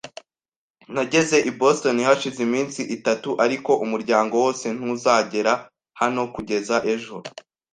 Nageze i Boston hashize iminsi itatu, ariko umuryango wose ntuzagera hano kugeza ejo.